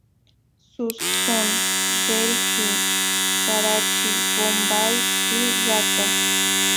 Sus son: Delhi, Karachi, Bombay y Daca.